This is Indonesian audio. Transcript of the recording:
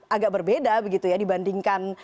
agak berbeda dibandingkan